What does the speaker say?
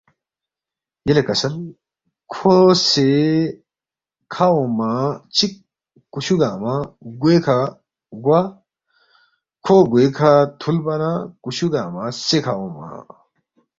یلے کسل کھو سے کھہ اونگما چِک کُشُو گنگمہ گوے کھہ گوا کھو گوے کھہ تُھولبا نہ کُشو گنگمہ سے کھہ اونگما